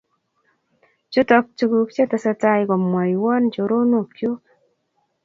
Chutok tuguk che tesetai komwoiwon choronokyuk